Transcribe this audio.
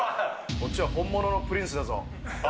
こっちは本物のプリンスだぞ。